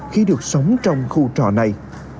khi được sống trong khu trọ này